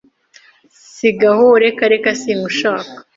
Sigaho Reka reka sinkushaka